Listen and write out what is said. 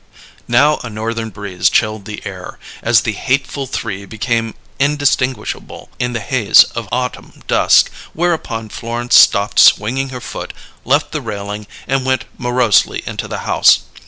Now a northern breeze chilled the air, as the hateful three became indistinguishable in the haze of autumn dusk, whereupon Florence stopped swinging her foot, left the railing, and went morosely into the house.